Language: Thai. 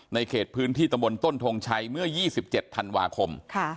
เขตพื้นที่ตำบลต้นทงชัยเมื่อ๒๗ธันวาคม